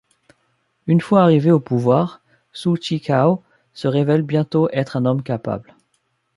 Une fois arrivé au pouvoir, Xu Zhigao se révèle bientôt être un homme capable.